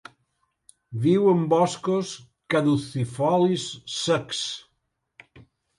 Viu en boscos caducifolis secs.